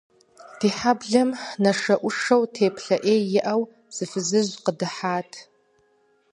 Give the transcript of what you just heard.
Ди хьэблэм нашэӏушэу, теплъэ ӏей иӏэу, зы фызыжь къыдыхьат.